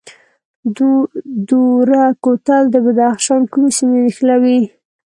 دوره کوتل د بدخشان کومې سیمې نښلوي؟